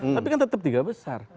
tapi kan tetap tiga besar